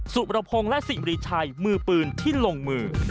ประพงศ์และสิ่งรีชัยมือปืนที่ลงมือ